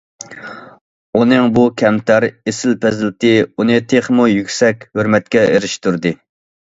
ئۇنىڭ بۇ كەمتەر، ئېسىل پەزىلىتى ئۇنى تېخىمۇ يۈكسەك ھۆرمەتكە ئېرىشتۈردى.